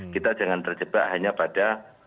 kita jangan terjebak hanya pada